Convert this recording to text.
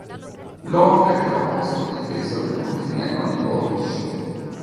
L'ocre era posto a difesa del confine con i Volsci.